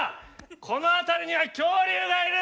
この辺りには恐竜がいる！